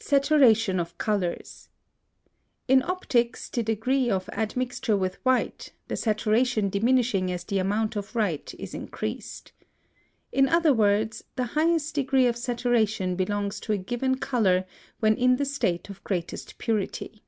SATURATION, OF COLORS. In optics the degree of admixture with white, the saturation diminishing as the amount of white is increased. In other words, the highest degree of saturation belongs to a given color when in the state of greatest purity.